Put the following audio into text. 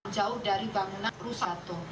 jauh dari bangunan rusak